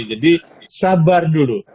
jadi sabar dulu